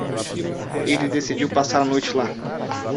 Ele decidiu passar a noite lá.